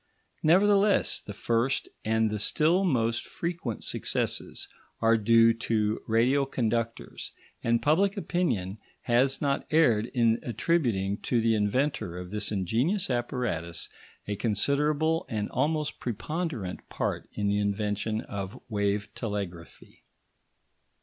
Nevertheless, the first and the still most frequent successes are due to radio conductors, and public opinion has not erred in attributing to the inventor of this ingenious apparatus a considerable and almost preponderant part in the invention of wave telegraphy.